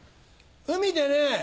海でね